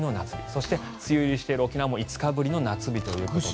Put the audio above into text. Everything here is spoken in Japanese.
そして、梅雨入りしている沖縄も５日ぶりの夏日。